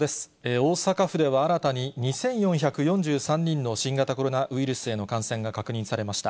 大阪府では新たに２４４３人の新型コロナウイルスへの感染が確認されました。